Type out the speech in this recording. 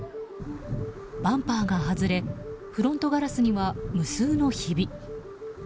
バンパーが外れフロントガラスには無数のひび。